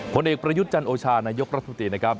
ผลเอกประยุทธ์จันโอชานายกรัฐมนตรีนะครับ